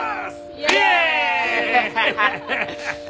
イェーイ！